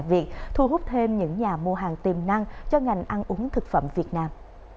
việc thu hút thêm những nhà mua hàng tiềm năng cho ngành ăn uống thực phẩm việt nam